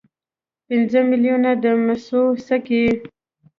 پنځه میلیونه د مسو سکې.